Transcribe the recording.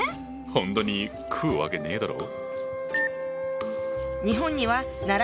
ほんとに食うわけねえだろ。